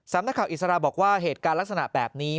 นักข่าวอิสระบอกว่าเหตุการณ์ลักษณะแบบนี้